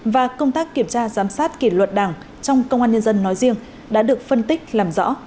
và công tác kiểm tra giám sát kỷ luật đảng trong công an nhân dân nói riêng đã được phân tích làm rõ